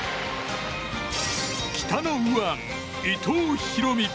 北の右腕、伊藤大海